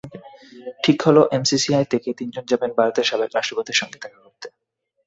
ঠিক হলো এমসিসিআই থেকে তিনজন যাবেন ভারতের সাবেক রাষ্ট্রপতির সঙ্গে দেখা করতে।